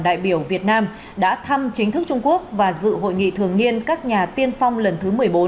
đại biểu việt nam đã thăm chính thức trung quốc và dự hội nghị thường niên các nhà tiên phong lần thứ một mươi bốn